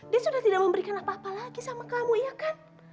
dia sudah tidak memberikan apa apa lagi sama kamu ya kan